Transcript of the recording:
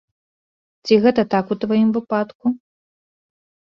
Ці так гэта ў тваім выпадку?